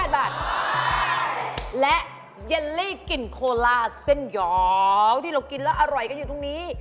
บาทและเยลลี่กลิ่นโคลาเส้นหยอวที่เรากินแล้วอร่อยกันอยู่ตรงนี้